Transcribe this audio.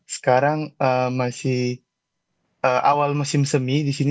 sekarang masih awal musim semi di sini